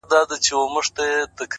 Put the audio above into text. کور مي د بلا په لاس کي وليدی.